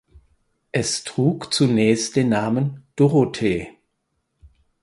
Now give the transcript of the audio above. Es trug zunächst den Namen "Dorothee".